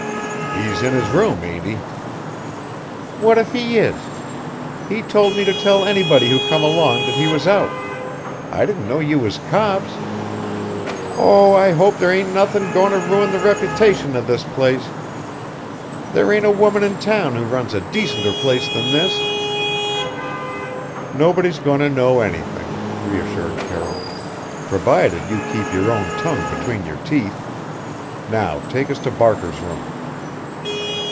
"He's in his room, ain't he?" "What if he is? He told me to tell anybody who come along that he was out. I didn't know you was cops. Oh, I hope there ain't nothin' goin' to ruin the reputation of this place! There ain't a woman in town who runs a decenter place than this." "Nobody's going to know anything," reassured Carroll, "provided you keep your own tongue between your teeth. Now take us to Barker's room."